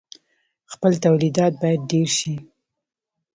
خپل تولیدات باید ډیر شي.